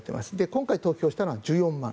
今回投票したのは１４万。